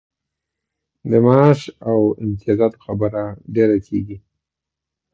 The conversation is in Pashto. د معاش او امتیازاتو خبره ډېره کیږي.